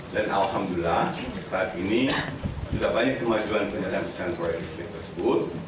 dan alhamdulillah saat ini sudah banyak kemajuan penyelidikan proyek listrik tersebut